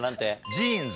ジーンズ。